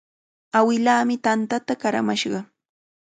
Awilaami tantata qaramashqa.